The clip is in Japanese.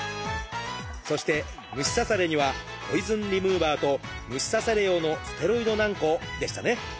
そして虫刺されにはポイズンリムーバーと虫刺され用のステロイド軟こうでしたね。